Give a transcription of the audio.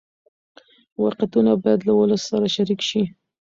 واقعیتونه باید له ولس سره شریک شي.